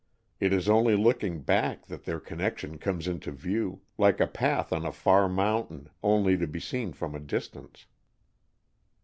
It is only looking back that their connection comes into view, like a path on a far mountain, only to be seen from a distance.